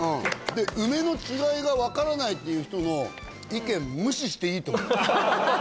で「梅の違いがわからない」って言う人の意見無視していいと思う。